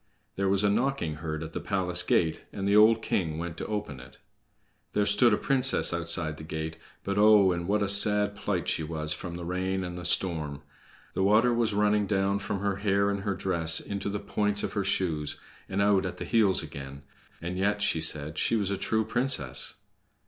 There was a knocking heard at the palace gate, and the old king went to open it. There stood a princess outside the gate; but oh, in what a sad plight she was from the rain and the storm! The water was running down from her hair and her dress into the points of her shoes and out at the heels again. And yet she said she was a true princess!